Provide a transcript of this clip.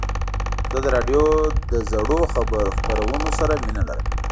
زه د راډیو له زړو خپرونو سره مینه لرم.